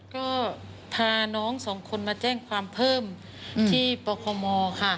ก็พาน้องสองคนมาแจ้งความเพิ่มที่ปคมค่ะ